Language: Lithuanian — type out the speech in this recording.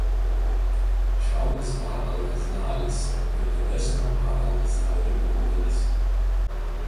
Šiaurės Bahr al Gazalis yra didesnio Bahr al Gazalio regiono dalis.